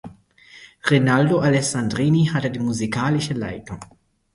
Rinaldo Alessandrini hatte die musikalische Leitung.